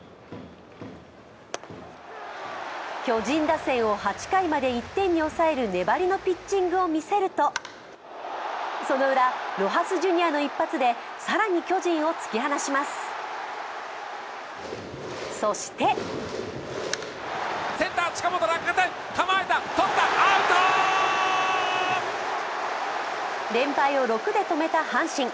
巨人打線を８回まで１点に抑える粘りのピッチングを見せると、その裏、ロハス・ジュニアの一発で更に巨人を突き放します、そして連敗を６で止めた阪神。